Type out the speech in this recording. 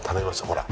ほら。